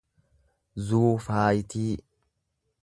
zuufaayitii